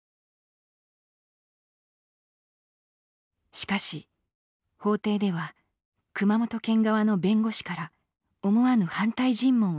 しかし法廷では熊本県側の弁護士から思わぬ反対尋問を受けました。